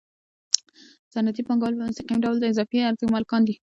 صنعتي پانګوال په مستقیم ډول د اضافي ارزښت مالکان دي